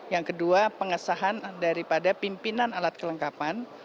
yang kedua pengesahan daripada pimpinan alat kelengkapan